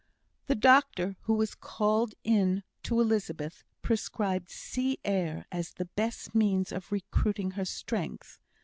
The doctor who was called in to Elizabeth prescribed sea air as the best means of recruiting her strength.